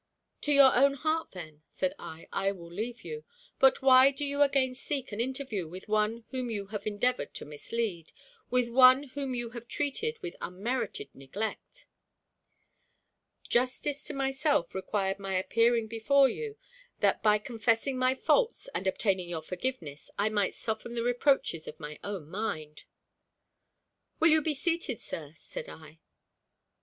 "To your own heart, then," said I, "I will leave you. But why do you again seek an interview with one whom you have endeavored to mislead with one whom you have treated with unmerited neglect?" "Justice to myself required my appearing before you, that, by confessing my faults and obtaining your forgiveness, I might soften the reproaches of my own mind." "Will you be seated, sir?" said I.